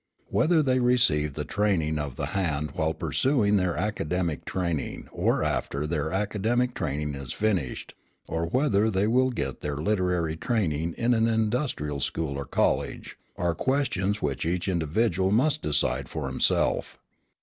Whether they receive the training of the hand while pursuing their academic training or after their academic training is finished, or whether they will get their literary training in an industrial school or college, are questions which each individual must decide for himself.